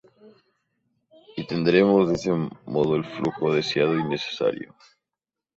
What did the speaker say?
Y tendremos de ese modo el flujo deseado y necesario.